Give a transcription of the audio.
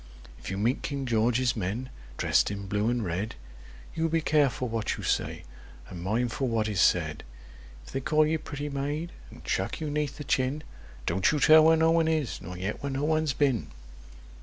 If you meet King George's men, dressed in blue and red, You be careful what you say, and mindful what is said. If they call you 'pretty maid,' and chuck you 'neath the chin, Don't you tell where no one is, nor yet where no one's been!